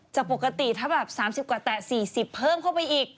ปกติถ้าแบบ๓๐กว่าแตะ๔๐เพิ่มเข้าไปอีก